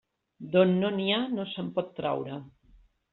D'on no n'hi ha, no se'n pot traure.